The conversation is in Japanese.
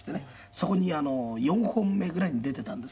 そこに４本目ぐらいに出てたんですね。